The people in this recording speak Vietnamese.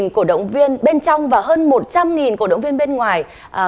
sáu mươi cổ động viên bên trong và hơn một trăm linh cổ động viên bên ngoài